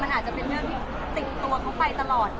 มันอาจไปติ้งตัวเค้าไปตลอด